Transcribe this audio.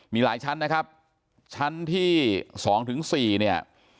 มีหลายชั้นนะครับชั้นที่๒ถึง๔เนี่ย